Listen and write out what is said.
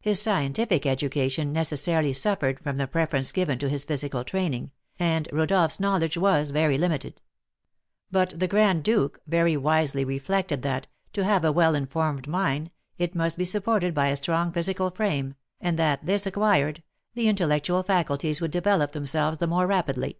His scientific education necessarily suffered from the preference given to his physical training, and Rodolph's knowledge was very limited; but the Grand Duke very wisely reflected that, to have a well informed mind, it must be supported by a strong physical frame, and that, this acquired, the intellectual faculties would develop themselves the more rapidly.